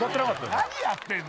何やってんの？